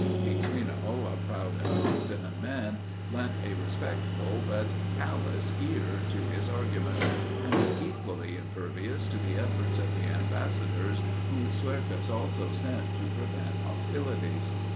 King Sweno, a proud and obstinate man, lent a respectful, but callous ear to his arguments; and was equally impervious to the efforts of the ambassadors, whom Swercus also sent to prevent hostilities.